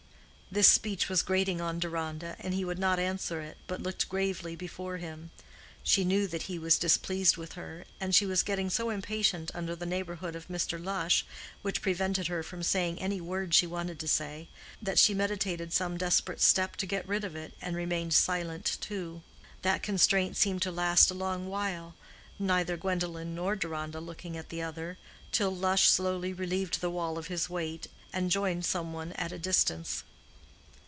This speech was grating on Deronda, and he would not answer it, but looked gravely before him. She knew that he was displeased with her, and she was getting so impatient under the neighborhood of Mr. Lush, which prevented her from saying any word she wanted to say, that she meditated some desperate step to get rid of it, and remained silent, too. That constraint seemed to last a long while, neither Gwendolen nor Deronda looking at the other, till Lush slowly relieved the wall of his weight, and joined some one at a distance.